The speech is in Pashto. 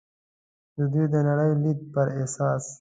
د دوی د نړۍ لید پر اساس.